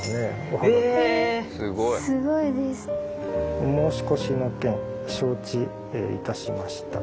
「お申し越しの件承知いたしました」。